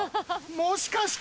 もしかして？